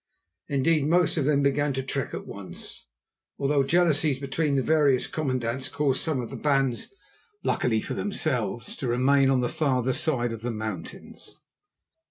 Indeed, most of them began to trek at once, although jealousies between the various commandants caused some of the bands, luckily for themselves, to remain on the farther side of the mountains.